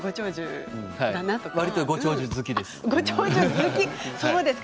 わりとご長寿好きです。